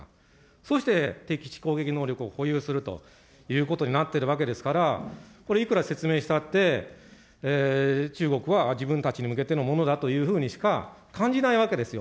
そして敵基地攻撃能力を保有するということになってるわけですから、これ、いくら説明したって、中国は自分たちに向けてのものだというふうにしか感じないわけですよ。